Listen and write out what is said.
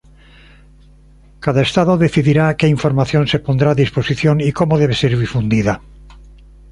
Cada estado decidirá que información se pondrá a disposición y cómo debe ser difundida.